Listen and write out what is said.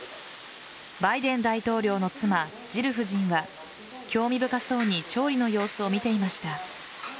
バイデン大統領の妻・ジル夫人は興味深そうに調理の様子を見ていました。